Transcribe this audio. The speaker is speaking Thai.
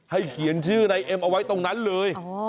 เขียนชื่อนายเอ็มเอาไว้ตรงนั้นเลย